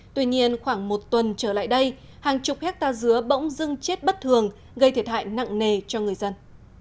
tuy nhiên khoảng một tuần trở lại đây hàng chục hectare dứa bỗng dưng chết bất thường gây thiệt hại nặng nề cho người dân